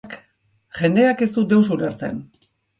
Jendeak ez du deus ulertzen.